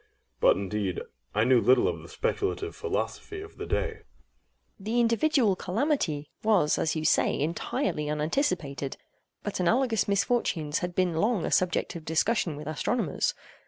But, indeed, I knew little of the speculative philosophy of the day. EIROS. The individual calamity was as you say entirely unanticipated; but analogous misfortunes had been long a subject of discussion with astronomers.